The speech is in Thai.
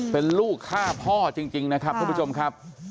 เป็นลูกฆ่าพ่อจริงนะครับทุกผู้ชมครับ